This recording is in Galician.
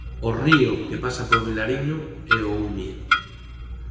O río que pasa por Vilariño é o Umia.